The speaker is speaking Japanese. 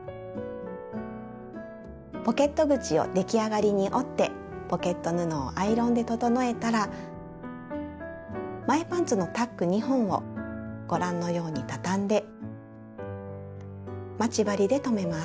ポケット口を出来上がりに折ってポケット布をアイロンで整えたら前パンツのタック２本をご覧のように畳んで待ち針で留めます。